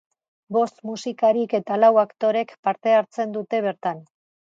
Bost musikarik eta lau aktorek parte hartzen dute bertan.